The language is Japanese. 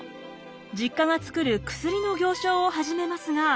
実家がつくる薬の行商を始めますが。